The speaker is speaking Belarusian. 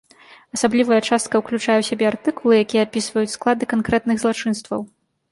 Асаблівая частка ўключае ў сябе артыкулы, якія апісваюць склады канкрэтных злачынстваў.